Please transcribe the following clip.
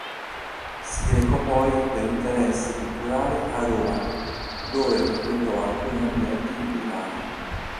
Si recò poi per interesse culturale a Roma, dove frequentò alcuni ambienti liberali.